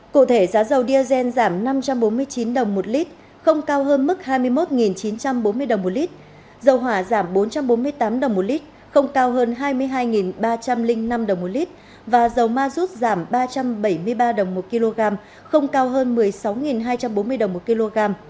cụ thể giá dầu diazen giảm năm trăm bốn mươi chín đồng một lít không cao hơn mức hai mươi một chín trăm bốn mươi đồng một lít dầu hỏa giảm bốn trăm bốn mươi tám đồng một lít không cao hơn hai mươi hai ba trăm linh năm đồng một lít và dầu ma rút giảm ba trăm bảy mươi ba đồng một kg không cao hơn một mươi sáu hai trăm bốn mươi đồng một kg